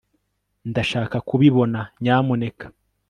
ndashaka kubibona, nyamuneka